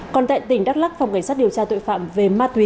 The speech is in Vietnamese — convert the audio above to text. còn tại tỉnh đắk lắc phòng cảnh sát điều tra tội phạm về ma túy